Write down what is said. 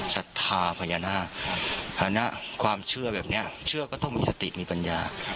ศรัทธาพญานาคะความเชื่อแบบนี้เชื่อก็ต้องมีสติมีปัญญา